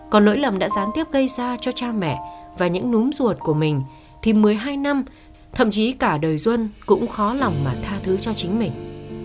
còn lỗi lầm đã gián tiếp gây ra cho cha mẹ và những núm ruột của mình thì một mươi hai năm thậm chí cả đời duân cũng khó lòng mà tha thứ cho chính mình